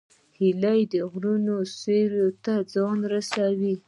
هیلۍ د غرونو سیوري ته ځان رسوي